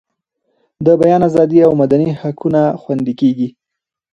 د بیان ازادي او مدني حقونه خوندي کیږي.